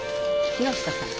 木下さん。